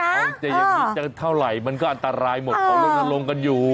เอาจะอย่างนี้จะเท่าไหร่มันก็อันตรายหมดเขาลนลงกันอยู่